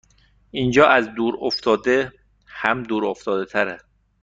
اینجااز دور افتاده هم دور افتاده تره